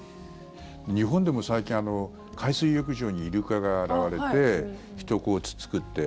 日本でも最近海水浴場にイルカが現れて人をつっつくって。